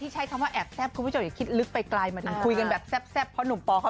ชัลลี่บอกเลยนะฟ้าผ่า